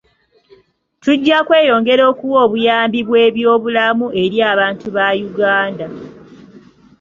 Tujja kweyongera okuwa obuyambi bw'ebyobulamu eri abantu ba Uganda.